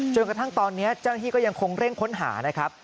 จนกระทั่งตอนนี้เจ้าหน้าที่ก็ยังคงเร่งค้นหานะครับ